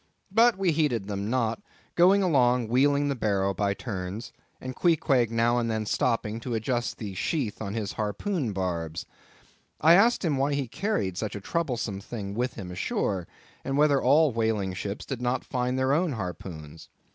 But we heeded them not, going along wheeling the barrow by turns, and Queequeg now and then stopping to adjust the sheath on his harpoon barbs. I asked him why he carried such a troublesome thing with him ashore, and whether all whaling ships did not find their own harpoons.